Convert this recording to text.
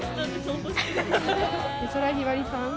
美空ひばりさん。